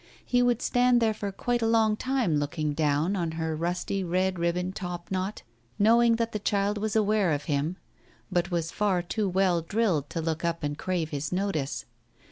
He would stand there for quite a long time looking down on her rusty red ribbon top knot, knowing that the child was aware of him, but was far too well drilled to look up and crave his notice.